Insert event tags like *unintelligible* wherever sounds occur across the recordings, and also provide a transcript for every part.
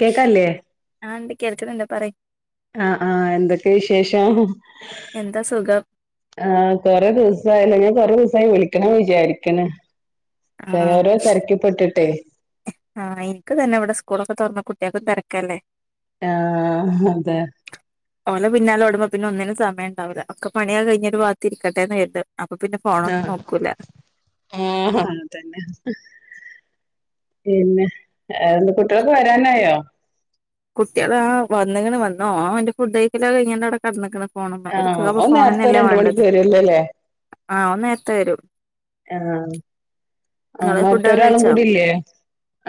കേക്കല്ലേ കേൾക്കട്ട എന്താ പറീ ആ ആഹ എന്തൊക്കെ വിശേഷം എന്താ സുഖം ആഹ കൊറെേ ദിവസയാല്ല ഞ റ ദിവസമായി വിളിക്കണം വിചാരിക്ക ഓരോ തെ രക്കിപ്പെട്ടിട്ടേ ആഹ് എനിക്ക് തന്നെ ഇവിടെ സ്കൂളൊക്കെ തോറന്ന കുട്ട്യാക്കും തെ രക്കല്ലേ ആഹ് അതെ ഓലെ പിന്നാലെ ഓടുമ്പോ പിന്നെ ഒന്നിനും സമയ ഉണ്ടാവൂല അ ഒക്കെ പണിയാ കഴിഞ്ഞട്ട് ഒരു ഭാത്തിരിക്കട്ടെന്നന്ന്രുത് ആ ആഹ് അ തന്നെ പിന്നെ ന്റെ കുട്ടികൾക്ക് വരാനായോ കുട്ടികള ആ വന്നിണ് വന്നോ അവന്റെ ഫുഡ്ക്കല് കഴിഞ്ഞ് അവിടെ കടന്നക്കണ് ആഹ് ഫോണക്കപ്പ ഓൻ നേരത്തെ ഫോണന്നല്ലേ രണ്ട് മണിക്ക് വേണ്ടത് വരുവല്ലോല്ലേ ആ ഒന്ന് നേരത്ത വര ആ ആ ഫുഡൊക്കെ മറ്റൊരാളും കഴിച്ചോ കൂടി ഇല്ലേ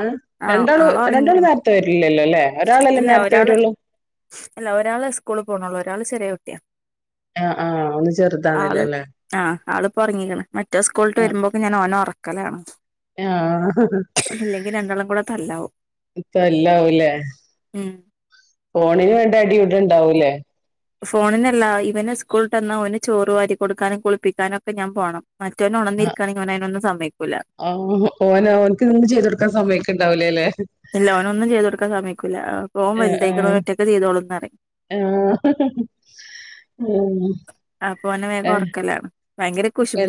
ആ രണ്ടാള് ആള് രണ്ടാള് ഒറങ്ങീക്ക്ണ് നേരത്തെ വരില്ലല്ലോ ല്ലേ ഇല്ല ഒരാള് ഇല്ല ഒരാള് സ്കൂള് പോണള്ളൂ ഒരാള് ചെറിയ കുട്ടിയ ആ ആ ആള് ആ ആളിപ്പോ ഉറങ്ങിക്കണ് മറ്റേ സ്കൂളട്ട് ആഹ് വരുമ്പോക്കെ ഞാൻ ഓന ഉറക്കലാണ് ആഹ് രണ്ടാളും കൂടെ തല്ലാവും ഇപ്പല്ലാവലേ ഉം ഫോണന് വേണ്ടി അടി ഇവിടെ ഇണ്ടാവൂല്ലേ ഫോണിനല്ല ഇവന് സ്കൂളിട്ട ഒന് ചോറു വാരി കൊടുക്കാനും കുളിപ്പിക്കാനും ഒക്കെ ഞാൻ പോണം മറ്റൊൻ ഒണന്നിരിക്കുകയാെങ്കിൽഓനൊന്നും സമ്മയി ആഹ് ഓന ഓനക്ക് നിന്ന് ചെയ്ത കൊടുക്കാൻ സമയ്ക്ക് ഇണ്ടാവൂലേ ല്ലെ പോം വലുതേക്കണ ഒന് റ്റൊക്കെ ചെയ്തോളൂ പറയും ആ ഉം ആ പോനെ വേഗം ഉറക്കല എ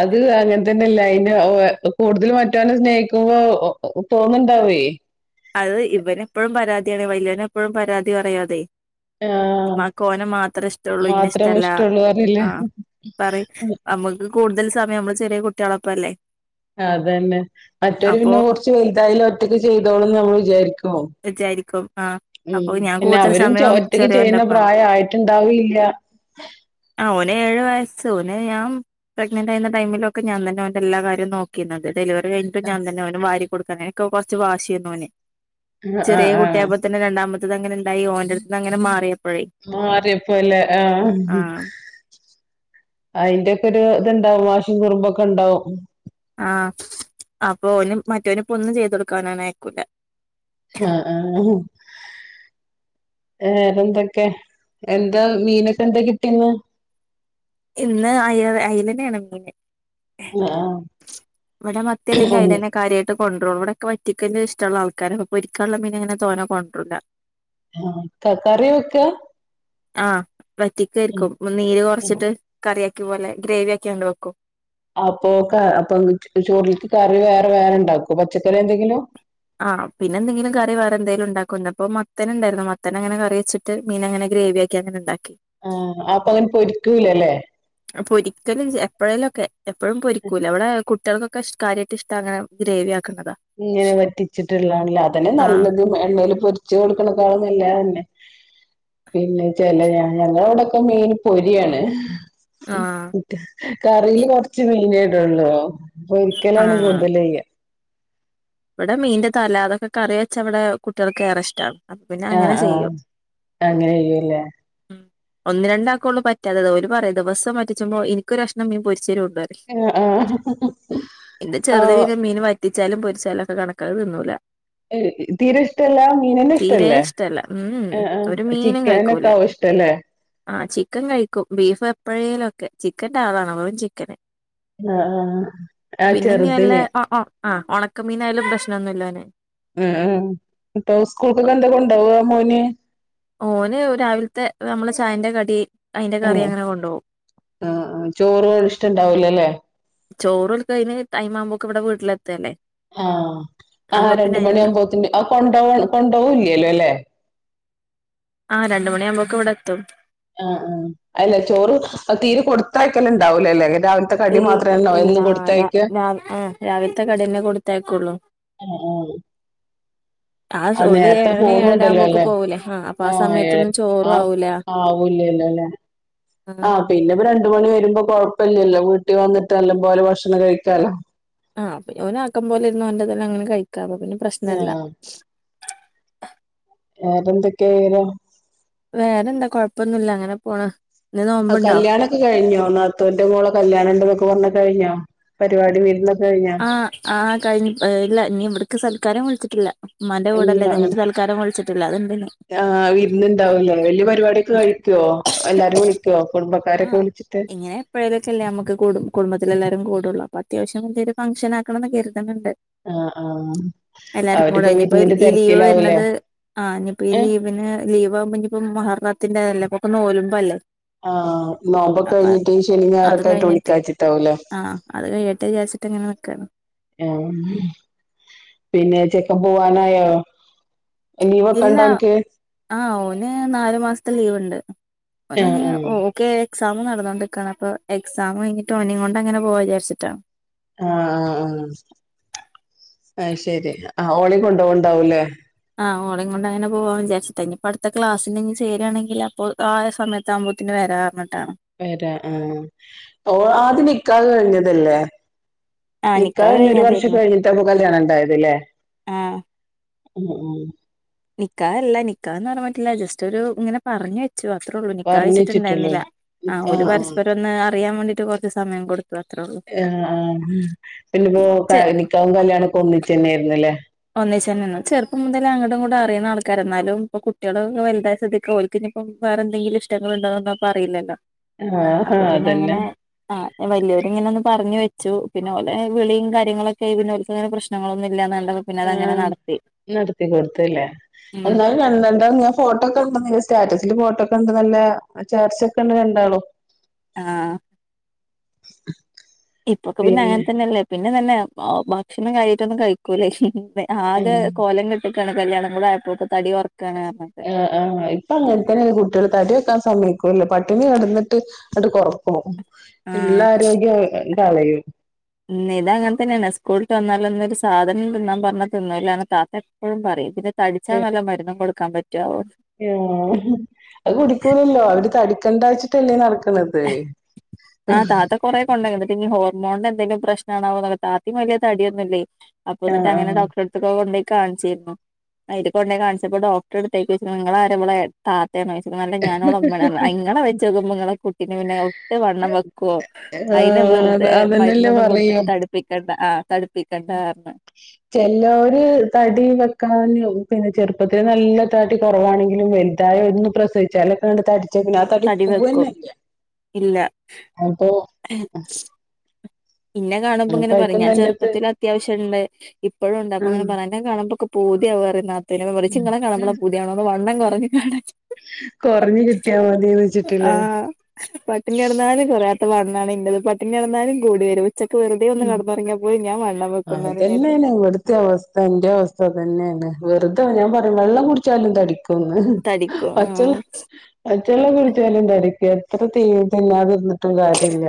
അത് അങ്ങൻ തന്നെല്ലേ അ ഓ കൂടുതൽ മറ്റവെ സ്നേഹിക്കുമ്പോ തോന്നു ണ്ടാവേ അത് ഇവന എപ്പോഴും പരാതിയാണ് വലിയനെ എപ്പോഴും പരാതി പറയാതെ ആ മാ കോ ന മാത്രമേ ഇഷ്ടള്ളു ഇന്ന മാത്രം ഇഷ്ടല്ല ഇഷ്ടമുള്ളൂ അറിയില്ലേ ആ പറ നമ്മുക്ക് കൂടുതൽ സമയം നള് ചെറിയ കുട്ടികളപ്പംല്ലേ അതന്നെ മറ്റൊരു പിന്നെ കുറച്ച് വലുതായാലും ഒറ്റക്ക് ചെയ്തോളന്ന് നമ്മൾ വിചാരികും വിചാരിക്കും ആഹ് അപ്പൊ ഉം ഞാൻ പിന്നെ കൂടുതൽ അവരും സമയം ഒറ്റക്ക് ചെയ്യുന്ന പ്രായയിട്ടുണ്ടാവീല്യ ആ ഓൻ ഏഴു വയസ്സ് നെ ഞാൻ പ്രെഗ്നന്റ് ആയുന്ന ടൈമിലൊക്കെ ഞാൻന്നെ അവന്റെ എല്ലാ കാര്യ നോക്കിയുന്നത് ഡെലിവറി കഴിഞ്ഞിട്ട് ഞാ തന്നെ ഓന് വാരി കൊടുക്കാ എനനിക്ക് കുറച്ച് വാശിയെന്ന് ഒന് ആ ആ ചെറിയ ആ കുട്ടിയായപ്പോ തന്നെ രണ്ടാമത്തത് അങ്ങനെ ഇണ്ടായി ഓന്റെ അടു അങ്ങനെ മാറിയ മാറിയപ്പോല്ലേ ആ ആഹ് അയിന്റെ ഒ ഒരു ഇത്ണ്ടാവും വാശി കുറുമ്പുംക്കെ ഉണ്ടാവും ആ അപ്പൊ ഒന മറ്റോനിപ്പൊ ഒന്നും ചെയ്ത കൊടുക്കാനാണ് അയക്കൂല ആ ആ ഹ് വേറെന്തൊക്കെ എന്താ മീനൊക്കെ എന്താ കിട്ടീന്ന് ഇന്ന് അയ അയലന ആണ് മീന് ഓ ആ ഇവിടെ മത്തി അല്ലെങ്കിൽ അയില തന്നെ കാര്യമായിട്ട കൊണ്ടൂ ഇവിടെക്കെ പറ്റിക്ക ഇഷ്ടുള്ളള്ള ആൾക്കാര അപ്പോ പൊരിക്കലുള്ള മീനങ്ങനെ തോന്നെ കൊണ്ടരുല്ല ആ ക്ക കറി വെക്ക ആ വറ്റിക്ക ആരിക്കും നീര് ഉം. കൊറച്ചിട്ട് കറിയാക്കി പോലെ ഗ്രേവി കാണ്ട് വെക്കും അപ്പൊ ക അപ്പൊ ചോറിലക്ക് കറി വേറെ വേറെണ്ടാക്കും പച്ചക്കറി എന്തെങ്കിലോ ആ പിന്നെന്തങ്കിലും കറി വേറെ എന്തങ്കിലും ഉണ്ടാക്കുണ്ട് അപ്പൊ മത്തന ഉണ്ടായിരുന്നു മന അങ്ങനെ കറി വെച്ചിട്ട് മീൻ അങ്ങനെ ഗ്രവിയ ഒക്കെങ്ങനെന്താ ആ അപ്പ അങ്ങനെ പൊരിക്കൂലല്ലേ പൊരിക്കലും എപ്പോഴേലുംൊക്കെ എപ്പോഴും പൊരിക്കൂല അവിടെ കു കുട്ടികക്കൊക്കെ ഷ്ട്ട കാര്യട്ട് ഇഷ്ടണ ഗ്രേവിയ ഇങ്ങനെ വറ്റിച്ചിട്ടുള്ളാണല്ലോ അതെ ആഹ് നല്ലത്ും എണ്ണയിൽ പൊരിച്ച്ു കൊളക്കണക്കാവുന്നല്ലതന്നെ പിന്നെ ച ഞങ്ങള അവിടെൊക്കെ മെയിൻ പൊരിയാണ് ആഹ് കറിൽ കൊറച്ച് മീനായിടുള്ളൂ പൊരിക്കലാണ് ആഹ് കൂടുതൽ ചെയ്യുക ഇവിടെ മീന്റെ തല അതൊക്കെ കറി വെച്ചവിടെ കുട്ടികൾക്ക് ഏറെ ഇഷ്ടമാണ് അപ്പ പിന്നെ ആഹ് അങ്ങനെ ആഹ് ചെയ്യും അങ്ങനെ ചെയ്യൂല്ലേ ഉ ഒന്ന രണ്ടാക്കക്കൊണ്ട് പറ്റാതെ അവര് പറയും ദിവസം വറ്റിച്ചുമ്പോൾ എനിക്കരുക്ഷ്ണം മീ പൊരിച്ചേരുണ്ട് ആഹ് ആഹ് എന്റെ ഓ ചെറുതെ മീൻ വ വറ്റിച്ചാലും പൊരിച്ചാലും ഒക്കെ കണക്ക അത് തിന്നൊന്നുമില്ല തീരെ ഇഷ്ടല്ലാ മീനന്നെ ഇഷ്ട തീരെ അല്ലേ ഇഷ്ടല്ല ഉം ആ ആ ഒരു ചിക്കനൊക്ക ആാവും ഇഷ്ടല്ലേ ആ ചിക്കൻ കഴിക്കും ബീഫ് എപ്പോഴേലും ഒക്കെ ചിക്കൻന്റെ ആളാണ് ചിക്കന് ആഹ് ആഹ് ആഹ് പിന്നെ ഞ് നല്ല ചെറുതിന് ആ ഉണക്കമീനായയാലും പ്രശ്നംന്നുമില്ല ഒന് ഉം ഉം ഇപ്പൊ സ്കൂൾക്കൊക്കെ എന്താ കൊണ്ടോവാ മോന് ഓന് രാവിലത്തെ നമ്മളെ ചായന്റെ കടി അതിന്റെ ആ കറി അങ്ങനെ കൊണ്ടുപോകും ആ ചോറ ഇഷ്ടംണ്ടാവൂലല്ലേ ചോറ് ഓല്ക്ക് അതിന്റെടൈം ആവുമ്പോക്ക ഇവിടെ വീട്ടിലെത്തല്ലേ ആഹ ആ അപ്പൊ പിന്നെ രണ്ട് മണിയ അതിനുള്ള ആകുമ്പോത്തിന് ആ കൊണ്ടോ കൊണ്ടൊക്കും ഇല്ലല്ലോ അല്ലേ ആഹ രണ്ടുമണിയ ആകുമ്പോക്കെ ഇവിടെ എത്തും ആ് ആ അല്ല ചോറ് തീര് കൊടുത്ത ആയ ക്കൽ ഉണ്ടാവൂലല്ലേ അങ്ങനെ ഇല്ല ഇല്ല ആഹ രാവിലത്തെ കടിന്നെ കൊടുത്തേക്കുള്ളൂ ആ ആ ആ ഓല് നേരത്തെ ഏഴണി ഏഴര പോണുണ്ടല്ലോ ആകുമ്പോക്ക് അല്ലേ പോകൂലേ ആ അപ്പൊ ആ ആഹ സമയത്തൊന്നും ചോറും ആ ആവൂല ആവൂല്ല ആഹ് ആഹ പിന്നെ രണ്ട് മണി വരുമ്പോ കൊഴപ്പല്ലല്ലോട്ട വിട്ട് വന്നിട്ട് നല്ല പോലെ ഭക്ഷണം കഴിക്കാലോ ആഹ് ഓന് ആക്കൻ പോലെരുന്നു അവന്റെതല്ലെ അങ്ങനെ കഴിക്കാം അപ്പ പിന്നെ പ്രശ്നല്ല ആഹ് വേറെന്തൊക്കെയ വിവരം വേറെന്താ കൊഴപ്പൊന്നുമില്ല അങ്ങനെ പോണ് ഇന്ന് ആ നോമ്പുണ്ടോ കല്യാണൊക്കെ കഴിഞ്ഞോ നാത്തൂന്റെ മോളെ കല്യാണണ്ട്ന്നൊക്കെ പറഞ്ഞ് കഴിഞ്ഞോ പരിപാടി വീരുന്ന ആഹ് ആഹ കഴിഞ്ഞ ഇല്ല നീ ഇവടക്ക് സൽക്കാരം വിളിച്ചിട്ടില്ല ഉമ്മാന്റെ കൂടെല്ലേ ഇത് ഇങ്ങട്ട് സൽക്കാരം വിളിച്ചിട്ട് ആ് വിരുന്ന് ഇണ്ടാവൂലെ വല്യ പരിപാടിയൊക്കെ കഴിക്കോ എല്ലാരും വിളിക്കുവോ കുടുംബക്കാരൊക്കെ ആഹ് വിളിച്ചിട്ട് ഇങ്ങനെ എപ്പോഴേലുംക്കെല്ലേ നമ്മക്ക് കൂടും കുടുംബത്തില എല്ലാരും കൂടുള്ള അപ്പം അത്യാവശ്യം വല്യ ഒരു ഫങ്ഷൻ ആക്കണംന്ന് കരുതുന്നുണ്ട് ആഹ് ആഹ് എല്ലാർക്കും കൂടെ അവരിപ്പോ ഇനിയിപ്പോ വിരുന്നിന്റെ ഈ ലീവ് തിരക്കിലാവൂലേ വരത് ആഹ ഇനിപ്പോ ഈ ഏഹ് ലീവിന് ലീവാവുമ്പോ ഇനി ഇപ്പ മുഹറംത്തിന്റെലെ അപ്പൊ നമുക്ക് നോമ്പ് അല്ലെ ആഹ് നോമ്പൊക്കെ കഴിഞ്ഞിട്ട് ശനി അത് ഞായറൊക്കെ ആയിട്ട് കഴിഞ്ഞിട്ട് വിളിക്കാച്ചിട്ടാവുലേ ആഹ് അത് കഴിയട്ടെ വിചാരിച്ചിട്ട് ഇങ്ങനെ നിക്കാണ് ആ മം പിന്നെ ചെക്കൻ പോവാനായൊ ഓ ഇല്ല ആഹ് ഓന് നാലു മാസത്തെ ലീവ് ഉണ്ട് ഓന് ഞി ആഹ് ആഹ് ഓക്കെ എക്സാം നടന്നുകൊണ്ടിക്കാണ് അപ്പൊ എക്സാം കഴിഞ്ഞിട്ട് ഓനെ കൊണ്ട് അങ്ങനെ പോവാചാരിച്ചിട്ടാ ആഹ് ആഹ് ആ അയ്ശരി ആ ഓളിം കൊണ്ടോവുണ്ടാവൂല്ലേ ആ ഓളേംകൊണ്ട് അങ്ങനെ പോവാം വിചാരിച്ചിട്ട ഇനിപ്പ അടുത്ത ക്ലാസിനിനി ചേരാണെങ്കിലപ്പോൾ ആ സമയത്താവുമ്പത്തിന് വ രാ പറഞ്ഞിട്ടാണ് വരാ ആഹ് ഓ ആദ്യം നിക്കാഹ് കഴിഞ്ഞതല്ലേ ആഹ് നിക്കാഹ് കഴിഞ്ഞ് ഒരു വർഷം കഴിഞ്ഞതായിരുന്നു കഴിഞ്ഞിട്ട പ്പ കല്യാണം ഇണ്ടായത് ലേ ആഹ് ഉം ഉം നിക്കാഹല്ല നിക്കാഹ് നടന്നിട്ടില്ല ജസ്റ്റ് ഒരു ഇങ്ങനെ പറഞ്ഞ് വെ ച്ചു അത്രേള്ളൂ പറഞ്ഞെച്ചിട്ടൊള്ളൂ നിക്കാഹഴിച്ചിട്ടിണ്ടാരുന്നില്ല ആ ആഹ് ഓല് ആഹ് പരസ്പരം ഒന്ന് അറിയാൻ വേണ്ടീട്ട് കൊറച്ച് സമയം കൊടു ആ ആ ഹ്മം പിന്നെ ഇപ്പോ ക ചെ നിക്കാഹും കല്യാണക്കൊന്നിച്ചെ ന്നേർന്നുല്ലേ ഒന്നിച്ചേനുന്നു ചെറുപ്പം മുതലേ അങ്ങടും ഇങ്ങടും അറിയുന്ന ആൾക്കാരന്നാലും ഇപ്പൊ കുട്ട്യോള് വലുതായ സ്ഥ്തിക്ക് ഓല്ക്കി ഞിപ്പോ വേറെ എന്തെങ്കിലും ഇഷ്ടങ്ങള് ഉണ്ടോന്നപ്പറയില്ലല്ലോ ആഹ് അപ്പൊ പിന്നെ അതന്നെ അങ്ങനെ ആ വല്ല്യവരിങ്ങനൊന്ന് പറഞ്ഞു വെ ച്ചു പിന്നെ ഓലെ വിളിം കാര്യങ്ങളൊക്കെയി പിന്നെ ഓല്ക്കങ്ങനെ പ്രശ്നങ്ങളൊന്നില്ലാന്നറിഞ്ഞപ്പോ പിന്നെ അതങ്ങനെ ആഹ് നടത്തി നടത്തി കൊടുത്തല്ലേ ഉം എന്നാള് കണ്ട് ണ്ടാർന്ന് ഞാ ഫോട്ടോ ഒക്കെ സ്റ്റാറ്റസില് ഫോട്ടോക്കെ ണ്ട് നല്ല ചേർച്ചക്ക്ണ്ട് രണ്ടാളും ആഹ് *unintelligible* ഇപ്പൊക്കെ പിന്നെ അങ്ങനെ തന്നെല്ലേ പിന്നെ തന്നെ ഭക്ഷണം കാര്യായിട്ടൊന്നും കഴിക്കൂലേ ആകെ ഏഹ് കോലം കെട്ടക്കാണ് കല്യാണം കൂടെയാപ്പോത്ത് തടി കൊറ ആ ആ ഇപ്പൊ അങ്ങനെ തന്നെല്ലേ കുട്ട്യോള് തടി വെക്കാൻ സമയ്ക്കൂല്ല പട്ടിണി കെടന്നിട്ട് അട് കൊറ ക്കും ഇള്ള ഉം ആരോഗ്യം ങ്ങ് കളയും ട്ട് വന്നാല്ലൊന്നൊരു സാധനം തിന്നാൻ പറഞ്ഞ തിന്നൂല്ലാന്ന് താത്ത എപ്പഴും പറയും പിന്നെ തടിച്ചാ നല്ല മരുന്നും കൊടു ഏ ഉം അത് കുടിക്കൂലല്ലോ അവര് തടിക്കണ്ടച്ചിട്ടല്ലേ നടക്ക ക്കണത് ആഹ് താത്ത കൊറെ കൊണ്ടയിണ്ട് ന്നിട്ട്നി ഹോർമോണിൻ്റെ എന്തെലും പ്രശ്നാണാവോ പറഞ്ഞ് താത്തിം വല്ല്യ തടിയൊന്നുംല്ലേ ആഹ് അപ്പന്നിട്ടങ്ങനെ ആഹ് ഡോക്ടറടുത്തിക്കൊക്കെ കൊണ്ടോയി കാണിച്ചിരുന്നു അയിൻ്റെ കൊണ്ടേ കാണിച്ചപ്പോ ഡോക്ടറ് ഇടുത്തഴിക്ക് ചോച്ച്ണു നിങ്ങള് ആര ഇവളെ താ ത്തായന്നൊയിച്ച്ക്കുണു അല്ല ഞാനോളടെ ഉമ്മാണ്റഞ്ഞ് ആ ഇങ്ങളെ വെച്ചോക്കുമ്പോ ഇങ്ങളെ കുട്ടീക്ക് പിന്നെ ഒട്ട് വ ണ്ണം വയ്ക്കോ അയിന് ആഹ് വെറുതെ അതന്നെല്ലേ മരുന്നൊന്നും പറയാ കൊടുത്തിട്ട് തടിപ്പിക്ക ണ്ട ആഹ് തടിപ്പിക്കണ്ടാർഞ്ഞു ചെലോര് തടി വെക്കണോന്നെവും പിന്നെ ചെറുപ്പത്തില് നല്ല തടി കുറവാണെങ്കിലും വലുത യി ഒന്ന് പ്രസവിച്ചാലൊക്കെങ്ങട് തടി വെച്ചുവിന്നെ ആ നടി തടി വെക്കും പൂവന്നല്ല്യ ഇല്ല അപ്പൊ ഇന്നെ കാണുമ്പോ അപ്പ ഇങ്ങനെ പറയും അയിക്കും ഞാൻ നല്ലത് ചെറുപ്പത്തിലത്യാവശ്യം ഇണ്ട് ഇപ്പോഴും ഉണ്ട് അപ്പൊ അങ്ങനെ പറയും ന്നെ കാണുമ്പോക്കെ പൂ തിവാ പറയും നാത്തൂനൊക്കെ പറയും ച്ച് ഇങ്ങളെ ആഹ് കാണമ്പഴാ പൂതി ആവണ് വണ്ണം കൊറഞ്ഞു കാണാൻ കൊറഞ്ഞ് കിട്ടിയാ മതിന്ന് വെച്ചിട്ടില്ലേ ആഹ് പട്ടിണി കെടന്നാലും കൊറയാ ത്ത വണ്ണാണ് ൻ്റെത് പട്ടിണി കെടന്നാലും കൂടി വരും ഉച്ചക്ക് വെറുതെ ഒന്ന് ഉം കടന്നുറങ്ങിയാ പോലും ഞാൻ വണ്ണം വെക്കുംന്ന് പറഞ്ഞ് ഞാന് അതന്നെന്നാണ് ഇവിടത്തെ അവസ്ഥ എൻ്റെം അവസ്ഥ അനതന്നെയാണ് വെറുതെ ഞാൻ പറയും വെള്ളം കുടാച്ചാലും തടി ക്കുന്ന് തടിക്കും പച്ചെള്ളം ആഹ് പച്ചെള്ളം കുടിച്ചാലും തടിക്കാന്ന് എത്ര തി തിന്നാതിരുന്നിട്ടും കാര്യല്ല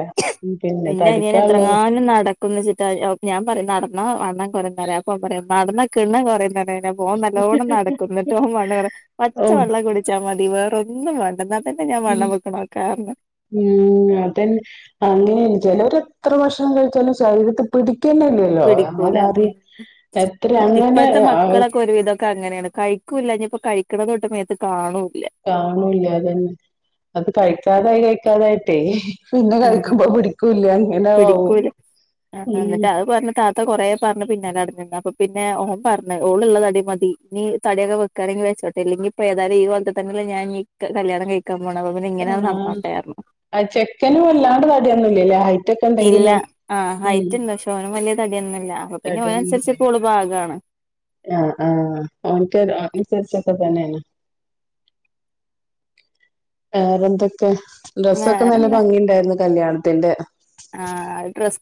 പിന്നെ അനിയനും എത്ര കാലം നടക്ക ക്കുന്ന്ച്ചിട്ടാ ഞാൻ പറയും നടന്ന വണ്ണം കൊറയും പറയും അപ്പൊ ഓൻ പറയും നടന്ന കിണ്ണം കൊറയും പറയും ഞാൻ പോകാൻ നല്ലോണം നടക്കുന്നു എന്നിട്ടാണ് മണേറെ ഓ പച്ച വെള്ളം കുടിച്ചാ മതി വേറൊന്നും വേണ്ട എന്നാലും ഉം ഊം അതന്നെ അതെ ചെലര് എത്ര ഭഷണം കഴിച്ചാലും ശരീരത്തി പിടി പിടിക്കൂല ഉം എത്ര അങ്ങനെ ഇപ്പഴത്തെ മക്കളൊക്കെ ഒരുവിധൊക്കെ അങ്ങനേണ് കഴി ക്കൂല്ല ഇനി ഇപ്പൊ കഴിക്കണതൊട്ട് മേത്ത് കാണും കാണൂല്ല അതന്നെ അത് കഴിക്കാതായി കഴിക്കാതായിട്ടേ ഹ് പിന്നെ ഉം കഴിക്കുമ്പോ പിടിക്കൂല്ല ഇങ്ങനെ ആവും പിടിക്കൂല ഊം ഇത്ത കൊറേ പറഞ്ഞ് പിന്നാലെ നടക്കണ്ട അപ്പൊ പിന്നെ ഓൻ പറഞ്ഞ ഓളുള്ള തടി മതി നീ തടിയൊക്കെ വെക്കാനേ ചൊട്ടീല്ലെങ്കി ഇപ്പ ഏതായാലും ഈ കോലത്തീ തന്നെല്ലേ ഞാൻ ഈ ക കല്യാണം കഴി കമണവാളന് ഇങ്ങനെയങ്ങ് ആഹ് നടന്നോട്ടേര്ന്ന് ആ ചെക്കന് വല്ലാണ്ട് തടിയൊന്നുല്ലല്ലേ ഹൈറ്റ് ഒക്കെ ഇല്ല ഉണ്ടെങ്കിലും ആ ഹൈറ്റ് ഇണ്ടാ *unintelligible* തടിയൊന്നുല്ലേ പാകാണ് ആ ആ ഓന്റ ഹൈ അനുസരിച്ചൊക്കെ തന്നെ വേറെന്തൊക്കെ ഡ്രസ്സൊക്കെ നല്ല വേറെന്താ ഭംഗിണ്ടായിരുന്നു കല്യാണത്തിന്റെ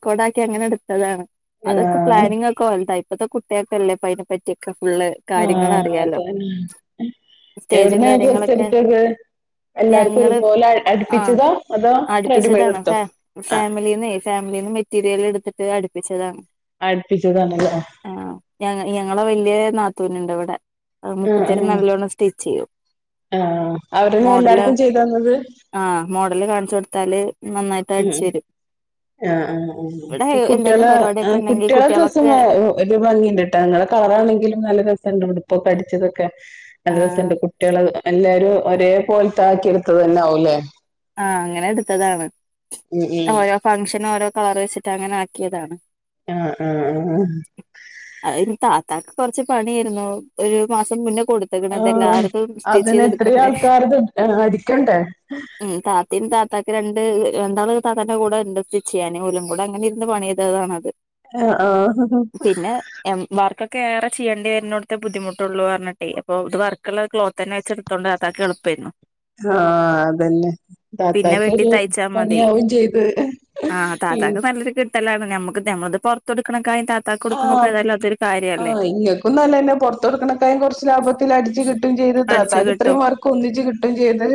കൊടാക്കി എങ്ങനെ എടുത്തതാണ് അതൊക്കെ ആഹ് പ്ലാനിങ്ങൊക്കെ ഒണ്ടാ ഇപ്പത്തെ കുട്ടികക്കെല്ലേ ഇപ്പ അയ്ന പറ്റ്യേക്ക ആ അതന്ന സ്റ്റേജും എവിടുന്നാ കാര്യങ്ങളൊക്കെ ഡ്രസ്സെടുത്തത് എല്ലാർക്കും ഞങ്ങള് ഒരുപോലെ അ ആ അടുപ്പിച്ചതാ അതോ റെഡിമെയ്ഡ് ഇട്ത്തോ ഫാമിലിന്നേ ഫാമിലിന്ന് മെറ്റീരിയൽ എടുത്തിട്ട് അടിപ്പിച്ചതാണ് അടുപ്പിച്ചതാണല്ലേ ആ ഞങ്ങ ഞങ്ങളെ വല്യേ നാത്തൂന്ണ്ട് ഇവിടെ ആ ആഹ് മൂപ്പത്തിയാര് ആഹ് നല്ലോണം സ്റ്റിച്ചെയ്യും ആഹ് അവരന്നെ മോഡലാ എല്ലാർക്കും ചെയ്തു തന്നത് ആ മോഡല് കാണിച്ചു കൊടുത്താല് നന്നാ യിട്ട് അടിച്ചരും ആ ആ ആ ആ കുട്ടിയളെ ആ പരിപാടിയൊക്കെ ഉണ്ടെങ്കിൽ കുട്ടിയളെ ഡ്രസ്സ് കുട്ടികളൊക്കെ മ ഒ ഒരു ഭംഗിണ്ട്ട്ടാ ഇങ്ങള ആ കളറാണെങ്കിലും നല്ല രസണ്ട് ഉടുപ്പൊക്കെ അടിച്ചതൊക്കെ നല്ല ആഹ് രസണ്ട് കുട്ടിയെള് അ അല്ലേ ഒരു ഒരേ പോൽത്ത ആക്കി എടുത്തത് തന്നെ ആവൂല്ലേ ആ അങ്ങനെ എടുത്തതാണ് ഉം അ ഉം ഓരോ ഫങ്ങ്ഷന് ഓരോ കളറ് വെച്ചിട്ട് അങ്ങനെ ആക്കിയതാണ് അ ആ ആ ഇത്താക്ക് കൊറച്ച് പണിയേരുന്നു ഒരു മാസം മുന്ന കൊടുത്ത്ക്ണത് ആഹ് എല്ലാരതും അതിന് എത്രയും സ്റ്റിച്ചെയ്തെടുക്കണ്ടേ ആൾക്കാരത് അടിക്കണ്ടേ ഉം താത്തേം താത്താക്ക് രണ്ട് ര രണ്ടാള് താത്താന്റ കൂടെ ഇണ്ട് സ്റ്റിച്ച് ചെയ്യാന്. ഓലും കൂടെ അങ്ങനെ ഇരുന്ന് പണി ചെയ്തതാണത് ആഹ് ആഹ് പിന്നെ എം വർക്ക് ക്കെ ഏറ ചെയ്യേണ്ടി വരുന്നോട്ത്ത് ബുദ്ധിമുട്ടുള്ളു പറഞ്ഞിട്ടേ അപ്പൊ ഇത് വർക്ള്ള ക്ലോത്തന്നെ വെച്ച് എടുത്തോണ്ടാ താത്താക്ക് എളുപ്പേരുന്നു ആഹ് അതന്നെ പിന്നെ വെട്ടി താത്താക്കൊരു തയ്ച്ചാൽ മതി പണിയാവോം ചെയ്ത് ഇ തല്ലാണ്. ഞമ്മക്ക് ഞമ്മളത് പൊറത്തൊടുക്കണ ഇത്താക്കൊടുക്കുമ്പ ഇപ്പേതാലും അതൊരു കാ ആ ഇങ്ങക്കും നല്ലന്നെ പൊറത്ത് കൊടുക്കണക്കായിം കൊറച്ച് ലാഭത്തിൽ അടിച്ചു കിട്ടും ചെയ്ത് അടിച്ചു താത്താക്ക് കിട്ടും ഇത്രയും വർക്ക് ഒന്നിച്ചു കിട്ടും ചെയ്ത്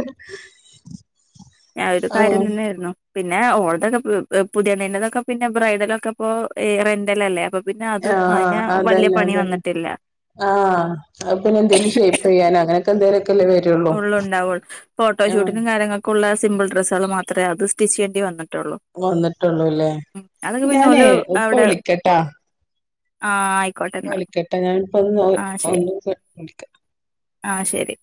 ഞാ ഒരു കാര്യം ആഹ് തന്നായിരുന്നു പിന്നെ ഓൾതൊക്കെ എ പുതിയണ്ണിന്റെതൊക്കെ പിന്നെ ബ്രൈഡലൊക്കെപ്പൊ ഈ റെന്റലല്ലേ അപ്പൊ പിന്നെ അതും ആഹ് അതിന് വലിയ അതന്നെ പണി അതന്നെ വന്നിട്ടില്ല ആഹ് അത് പിന്നെ എന്തേലും ഷേപ്പെയ്യാനാ അങ്ങനെ ഉള്ളു ഉണ്ടാവുള്ളൂ ആഹ് ഫോട്ടോഷൂട്ടിനും കാര്യങ്ങക്കുള്ള സിമ്പിൾ ഡ്രസ്സ് അത് മാത്രേ അത് സ്റ്റിച്ചെയ്യേണ്ടി വന്ന് ട്ടൊള്ളു. വന്നിട്ടുള്ളൂല്ലേ അതൊക്കെ പിന്നെ ഞാനേ ഓല് ഇപ്പ അവ്ടെ വിളിക്കട്ടാ ആയി വിളിക്കട്ടെ ഞാൻ ഇപ്പം ഒന്ന് *unintelligible* ശരി ഒന്ന് വിളിക്ക ആ ശരി